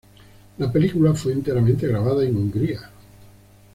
La película fue enteramente grabada en Hungría.